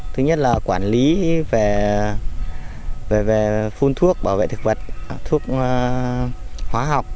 thứ nhất là quản lý về phun thuốc bảo vệ thực vật thuốc hóa học